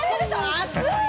熱い！